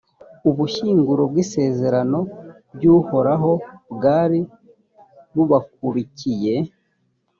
ubushyinguro bw’isezerano ry’uhoraho bwari bubakurikiye.